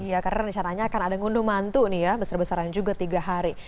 ya karena rancananya akan ada ngundung mantu nih ya besar besaran juga tiga hari